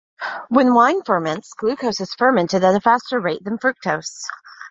When wine ferments, glucose is fermented at a faster rate than fructose.